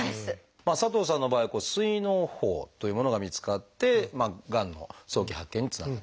佐藤さんの場合膵のう胞というものが見つかってがんの早期発見につながったと。